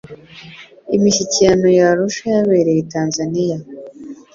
imishyikirano ya rusha yabereye tanzaniya